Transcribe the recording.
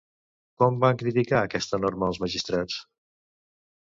Com van criticar aquesta norma els magistrats?